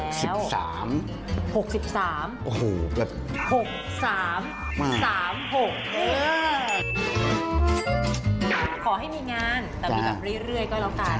ขอให้มีงานแต่มีแบบเรื่อยก็แล้วกัน